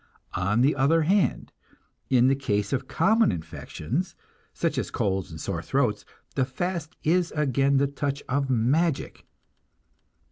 On the other hand, in the case of common infections, such as colds and sore throats, the fast is again the touch of magic.